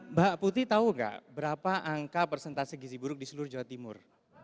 mbak putih tahu nggak berapa angka persentase gizi buruk di seluruh jawa timur